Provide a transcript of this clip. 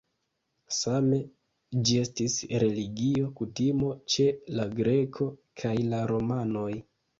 Same, ĝi estis religio kutimo ĉe la grekoj kaj la romanoj.